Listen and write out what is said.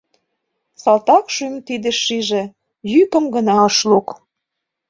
Салтак шӱм тидым шиже, йӱкым гына ыш лук?»